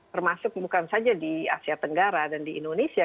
termasuk bukan saja di asia tenggara dan di indonesia